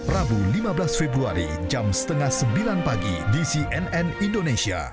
rabu lima belas februari jam setengah sembilan pagi di cnn indonesia